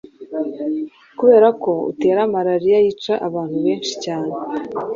kubera ko utera malaria yica abantu benshi cyane